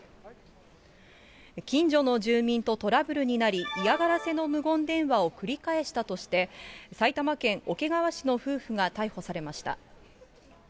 近所の住民とトラブルになり、嫌がらせの無言電話を繰り返したとして、埼玉県桶川市の夫婦が逮捕されました。